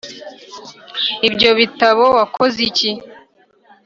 ibyo bitabo wakoze iki